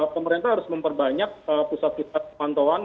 pemerintah harus memperbanyak pusat kesehatan pemontauan